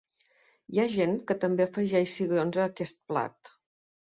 Hi ha gent que també afegeix cigrons a aquest plat.